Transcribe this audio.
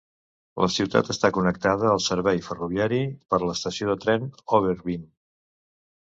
La ciutat està connectada al servei ferroviari per l'estació de tren Overveen.